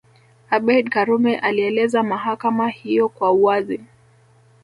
Abeid Karume alieleza mahakama hiyo kwa uwazi